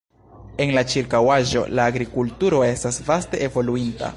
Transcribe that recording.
En la ĉirkaŭaĵo la agrikulturo estas vaste evoluinta.